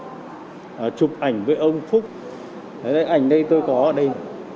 thứ hai là chụp ảnh với ông phúc ảnh đây tôi có ở đây